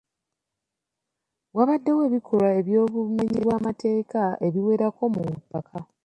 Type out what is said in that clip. Wabaddewo ebikolwa eby'obumenyi bw'amateeka ebiwerako mu ppaaka.